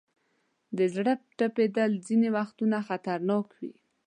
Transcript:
د زړه ټپېدل ځینې وختونه خطرناک وي.